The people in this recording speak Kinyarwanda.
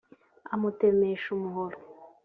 amutemesha umuhoro